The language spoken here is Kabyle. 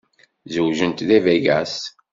Zewǧent deg Vegas.